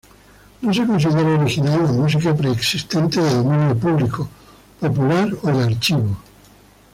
No se considera original la música preexistente, de dominio público, popular o de archivo.